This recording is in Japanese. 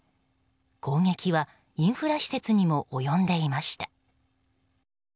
攻撃はインフラ施設にも及んでいました。